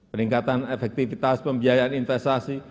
peningkatan efektivitas pembiayaan investasi